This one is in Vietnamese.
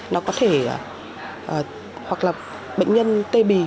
nó có thể hoặc là bệnh nhân tê bì